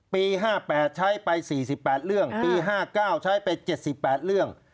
ปี๕๘ใช้ไป๔๘เรื่องปี๕๙ใช้ไป๗๘เรื่อง